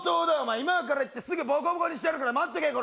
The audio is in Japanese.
今から行ってすぐボコボコにしてやるから待っとけコラ